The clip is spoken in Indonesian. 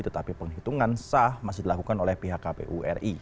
tetapi penghitungan sah masih dilakukan oleh pihak kpu ri